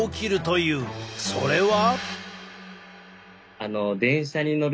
それは。